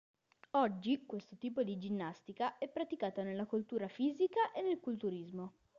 Oggi questo tipo di ginnastica è praticata nella cultura fisica e nel culturismo.